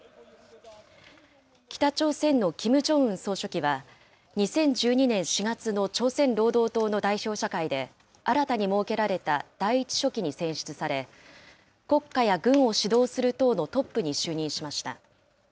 北朝鮮のキム・ジョンウン総書記は、２０１２年４月の朝鮮労働党の代表者会で、新たに設けられた第１書記に選出され、国家や軍を指導する党のトップに就任しました。